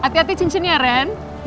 hati hati cincinnya ren